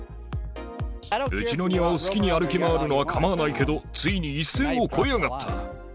うちの庭を好きに歩き回るのはかまわないけど、ついに一線を越えやがった。